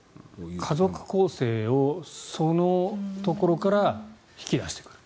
家族構成をそのところから引き出してくると。